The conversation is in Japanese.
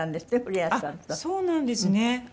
あっそうなんですね。